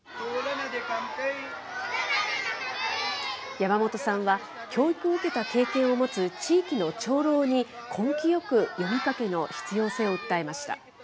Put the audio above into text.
山本さんは、教育を受けた経験を持つ地域の長老に、根気よく、読み書きの必要性を訴えました。